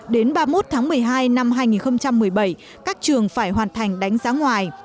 đến ba mươi một tháng một mươi hai năm hai nghìn một mươi bảy các trường phải hoàn thành đánh giá ngoài